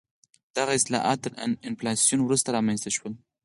دغه اصلاحات تر انفلاسیون وروسته رامنځته شول.